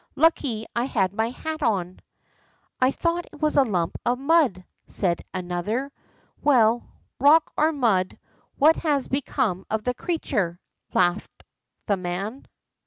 Lucky I had my hat on.' ' I thought it was a lump of mud,' said an other. ^ Well, rock or mud, what has become of the creature ?' laughed the man.